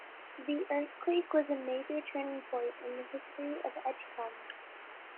The earthquake was a major turning point in the history of Edgecumbe.